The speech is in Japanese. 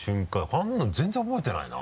こんなの全然覚えてないな。